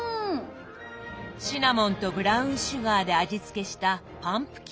シナモンとブラウンシュガーで味つけしたパンプキン餃子。